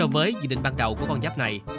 với dự định ban đầu của con giáp này